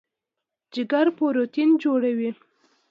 جګر پروټین جوړوي.